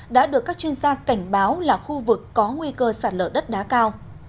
đã được các chuyên gia cảnh báo là khu vực có nguy cơ sạt lở đất đá cao